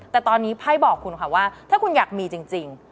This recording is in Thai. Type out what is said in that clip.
แต่ตอนนี้ไพ่บอกคุณค่ะว่าถ้าคุณอยากมีจริง